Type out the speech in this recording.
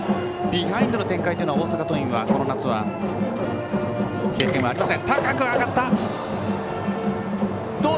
ビハインドの展開というのは大阪桐蔭はこの夏は経験はありません。